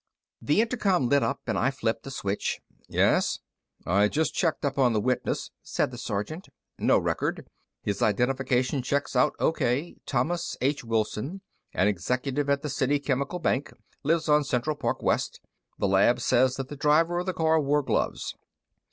The intercom lit up, and I flipped the switch. "Yes?" "I just checked up on the witness," said the sergeant. "No record. His identification checks out O.K. Thomas H. Wilson, an executive at the City Chemical Bank; lives on Central Park West. The lab says that the driver of the car wore gloves."